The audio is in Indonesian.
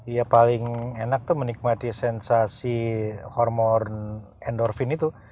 ya paling enak tuh menikmati sensasi hormon endorfin itu